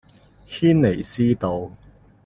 軒尼詩道